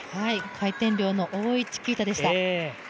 回転量の多いチキータでした。